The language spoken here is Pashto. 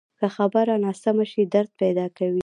که خبره ناسمه شي، درد پیدا کوي